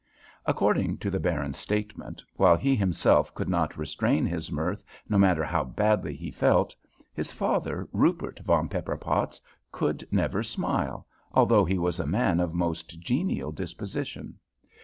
"According to the Baron's statement, while he himself could not restrain his mirth, no matter how badly he felt, his father, Rupert von Pepperpotz, could never smile, although he was a man of most genial disposition.